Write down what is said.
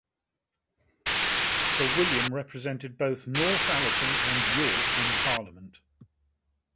Sir William represented both Northallerton and York in Parliament.